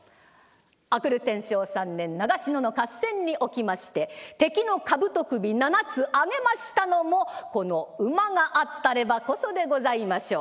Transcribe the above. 明くる天正３年長篠の合戦におきまして敵の兜首７つあげましたのもこの馬があったればこそでございましょう。